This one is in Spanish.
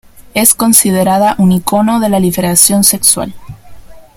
Es considerada un icono de la liberación sexual.